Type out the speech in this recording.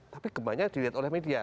tapi gempanya dilihat oleh media